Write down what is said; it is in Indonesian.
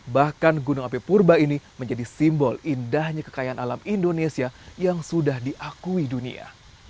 bahkan gunung api purba ini menjadi simbol indahnya kekayaan alam indonesia yang sudah diakui dunia